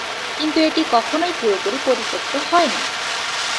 কিন্তু এটি কখনই পুরোপুরি পরিত্যক্ত হয়নি।